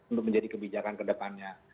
untuk menjadi kebijakan ke depannya